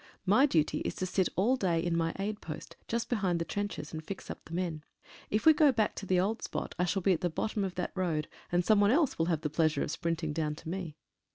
My duty is to sit all day in my aid post, just be hind the trenches, and fix up the men. If we go back to the old spot I shall be at the bottom of that road, and some one else will have the pleasure of sprinting down to me.